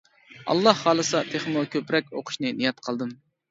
ئاللا خالىسا تېخىمۇ كۆپرەك ئوقۇشنى نىيەت قىلدىم.